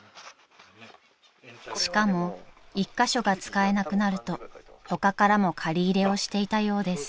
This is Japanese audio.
［しかも１カ所が使えなくなると他からも借り入れをしていたようです］